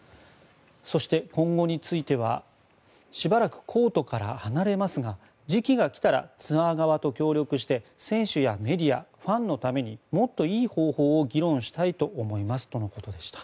そして、今後についてはしばらくコートから離れますが時期が来たらツアー側と協力して選手やメディア、ファンのためにもっといい方法を議論したいと思いますとのことでした。